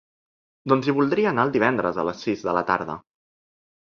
Doncs hi voldria anar el divendres a les sis de la tarda.